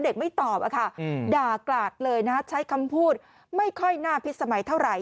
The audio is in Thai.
เด็กไม่ตอบด่ากลากเลยใช้ความพูดไม่ค่อยน่าพิสมัยเท่าไหร่